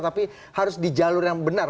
tapi harus di jalur yang benar